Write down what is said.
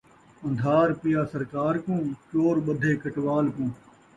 اندھار پیا سرکار کوں، چور ٻدھے کٹوال کوں